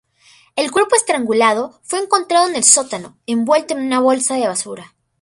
El cuerpo estrangulado fue encontrado en el sótano, envuelto en una bolsa de basura.